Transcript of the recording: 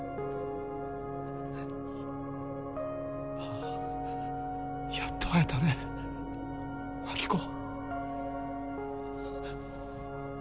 ああやっと会えたね暁子。